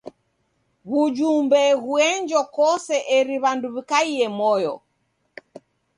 W'ujumbe ghuenjo kose eri w'andu w'ikaie moyo.